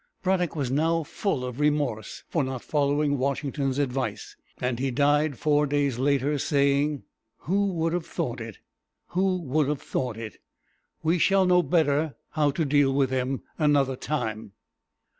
Braddock was now full of remorse for not following Washington's advice, and he died four days later, saying: "Who would have thought it? Who would have thought it? We shall better know how to deal with them another time."